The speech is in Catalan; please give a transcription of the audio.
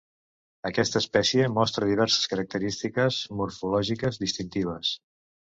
Aquesta espècie mostra diverses característiques morfològiques distintives.